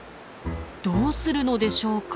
どうするのでしょうか。